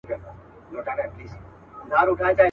بازاري ویل قصاب دی زموږ په ښار کي.